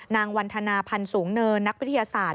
นางวันธนาพันธ์สูงเนินนักวิทยาศาสตร์